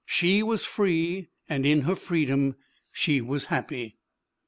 She was free, and in her freedom she was happy!